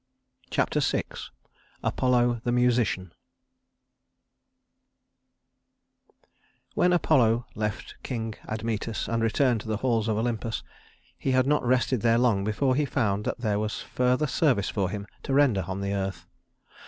Chapter VI Apollo the Musician I When Apollo left King Admetus and returned to the halls of Olympus, he had not rested there long before he found that there was further service for him to render on the earth.